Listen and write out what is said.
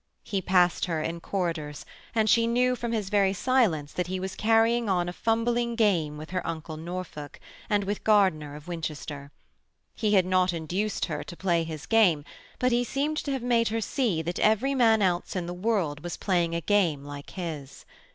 He passed her in corridors, and she knew from his very silence that he was carrying on a fumbling game with her uncle Norfolk, and with Gardiner of Winchester. He had not induced her to play his game but he seemed to have made her see that every man else in the world was playing a game like his.